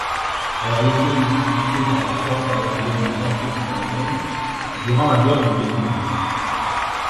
Elle a été utilisée par les forces aériennes nord-vietnamiennes durant la guerre du Viêtnam.